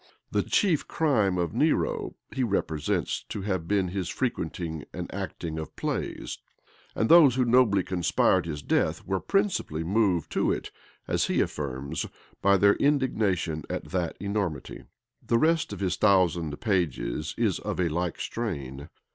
The chief crime of Nero, he represents to have been his frequenting and acting of plays; and those who nobly conspired his death, were principally moved to it, as he affirms, by their indignation at that enormity. The rest of his thousand pages is of a like strain.